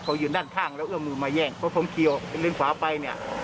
เขายืนด้านข้างแล้วเอื้อมมือมาแย่งเพราะผมเกี่ยวเลนขวาไปเนี่ย